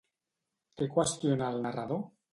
Què qüestiona el narrador?